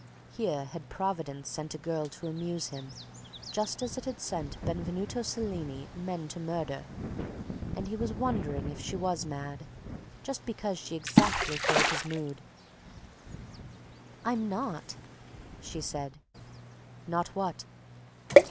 Here had Providence sent a girl to amuse him just as it sent Benvenuto Cellini men to murder, and he was wondering if she was mad, just because she exactly filled his mood. "I'm not," she said. "Not what?"